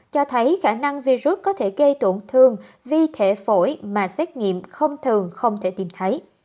cho thấy khả năng virus có thể gây tổn thương vi thể phổi mà xét nghiệm không thường không thể tìm thấy